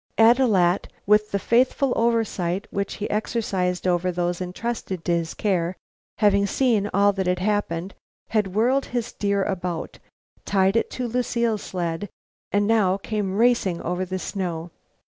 Ad loo at, with the faithful oversight which he exercised over those entrusted to his care, having seen all that had happened had whirled his deer about, tied it to Lucile's sled and now came racing over the snow.